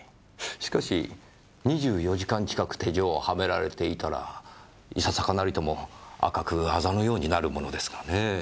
しかし２４時間近く手錠をはめられていたらいささかなりとも赤く痣のようになるものですがねぇ。